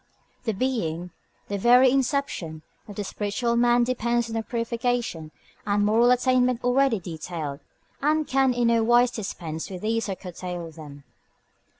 The being, the very inception, of the spiritual man depends on the purification and moral attainment already detailed, and can in no wise dispense with these or curtail them.